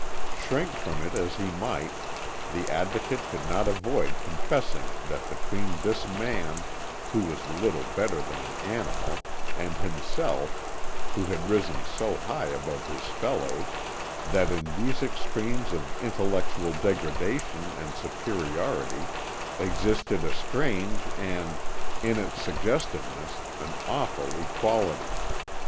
Shrink from it as he might, the Advocate could not avoid confessing that between this man, who was little better than an animal, and himself, who had risen so high above his fellows that in these extremes of intellectual degradation and superiority existed a strange and, in its suggestiveness, an awful, equality.